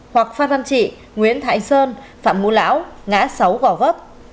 hoặc phan văn trị nguyễn thái sơn phạm ngũ lão ngã sáu gò vấp